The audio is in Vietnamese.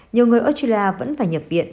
nhiều người australia vẫn phải nhập viện